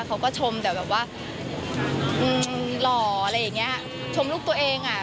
เขาก็ชมแต่แบบว่าหล่ออะไรอย่างเงี้ยชมลูกตัวเองอ่ะ